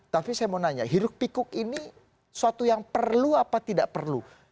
tapi saya mau nanya hiruk pikuk ini suatu yang perlu apa tidak perlu